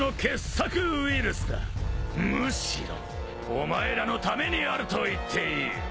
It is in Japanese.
むしろお前らのためにあると言っていい。